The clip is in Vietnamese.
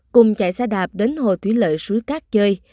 cùng chạy xe đạp đến hồ thủy lợi suối cát chơi